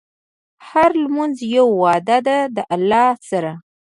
هره لمونځ یوه وعده ده د الله سره.